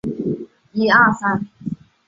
夷隅市是千叶县房总半岛东南部的一市。